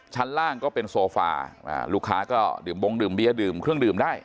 ชั้นล่างก็เป็นโซฟาลูกค้าก็ดื่มบงดื่มเบียร์ดื่มเครื่องดื่มได้